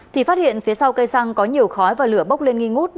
thì phát hiện phía sau cây xăng có nhiều khói và lửa bốc lên nghi ngút